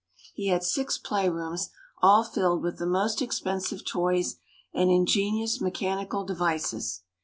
He had six play rooms, all filled with the most expensive toys and ingenious mechanical devices.